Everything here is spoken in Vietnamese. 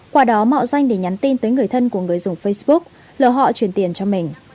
qua đó mạo danh để nhắn tin tới người thân của người dùng facebook lừa họ truyền tiền cho mình